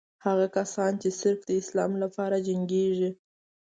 هغه کسان چې صرف د اسلام لپاره جنګېږي.